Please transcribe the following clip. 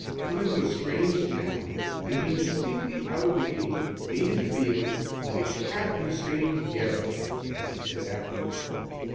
Coming to a strange town, and being distinctly out of the game, made him feel like a "cat in a strange garret," as he said afterward.